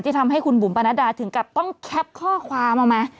ทำให้คุณบุ๋มปนัดดาถึงกับต้องแคปข้อความออกมา